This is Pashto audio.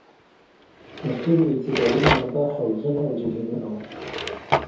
د قیرو ابتدايي منبع حوضونه او جهیلونه وو